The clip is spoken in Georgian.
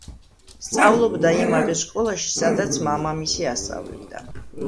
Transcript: სწავლობდა იმავე სკოლაში, სადაც მამამისი ასწავლიდა.